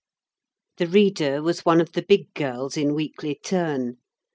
The reader was one of the big girls, in weekly turn.